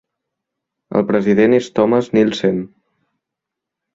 El president és Thomas Neelsen.